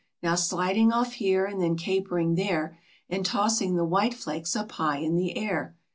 Now sliding off here, and then capering there, And tossing the white flakes up high in the air.